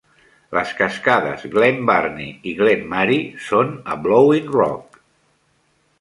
Les cascades Glen Burney i Glen Marie són a Blowing Rock.